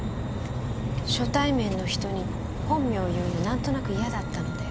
初対面の人に本名を言うの何となく嫌だったので。